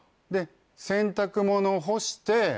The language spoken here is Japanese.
で洗濯物干して。